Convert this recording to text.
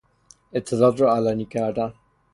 اطلاعات را علنی کردن